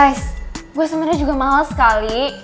guys gue sebenernya juga males sekali